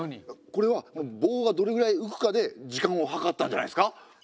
これは棒がどれぐらい浮くかで時間を計ったんじゃないですか？